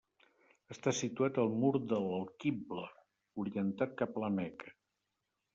Està situat al mur de l'alquibla, orientat cap a la Meca.